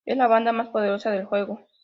Es la banda más poderosa del juego.